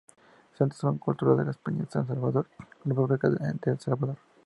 Centro Cultural de España, San Salvador, República de El Salvador.